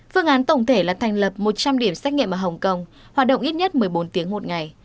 phương án tổng thể là thành lập một trăm linh điểm xét nghiệm ở hồng kông hoạt động ít nhất một mươi bốn tiếng một ngày